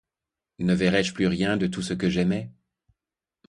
Ne verrai-je plus rien de tout ce que j’aimais ?